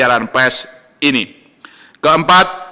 kedua memperkuat kebijakan moneter dan kebijakan ekonomi nasional